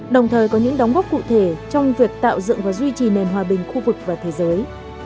đồng thời có những đóng góp cụ thể trong việc tạo dựng và duy trì nền hòa bình khu vực và thế giới